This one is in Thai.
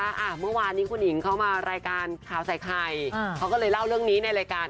อ่าเมื่อวานนี้คุณหญิงเขามารายการข่าวใส่ไข่อ่าเขาก็เลยเล่าเรื่องนี้ในรายการ